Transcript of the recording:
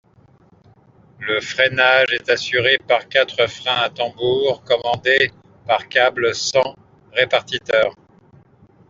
Le freinage est assuré par quatre freins à tambour commandés par câbles sans répartiteur.